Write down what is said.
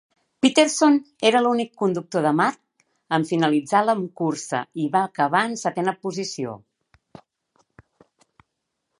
Peterson era l'únic conductor de March en finalitzar la cursa, i va acabar en setena posició.